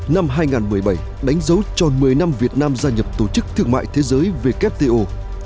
năm hai nghìn một mươi bảy đánh dấu tròn một mươi năm việt nam gia nhập tổ chức thương mại thế giới wto